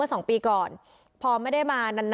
อุทธิวัฒน์อิสธิวัฒน์